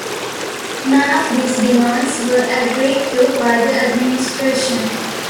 None of these demands were agreed to by the administration.